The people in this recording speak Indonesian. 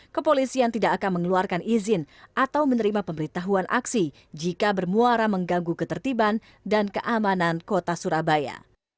kepolisian tidak akan mengeluarkan izin atau menerima pemberitahuan aksi jika bermuara mengganggu ketertiban dan keamanan kota surabaya